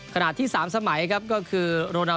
ขณะที่๓สมัยก็คือ